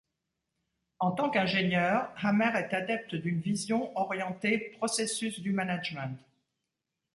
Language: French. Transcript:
En tant qu'ingénieur, Hammer est adepte d'une vision orientée processus du management.